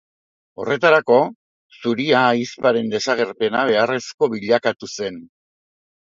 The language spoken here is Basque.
Horretarako, Zuria ahizparen desagerpena beharrezko bilakatu zen.